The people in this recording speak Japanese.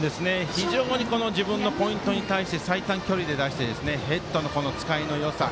非常に自分のポイントに対して最短距離で出してヘッドの使いのよさ。